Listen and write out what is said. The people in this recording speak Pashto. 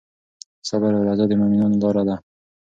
صبر او رضا د مؤمنانو لاره ده.